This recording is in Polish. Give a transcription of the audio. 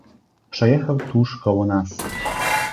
"Przejechał tuż koło nas..."